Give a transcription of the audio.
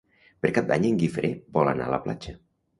Per Cap d'Any en Guifré vol anar a la platja.